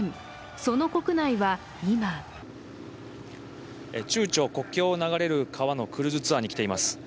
その国内は今中朝国境を流れる川のクルーズツアーに来ています。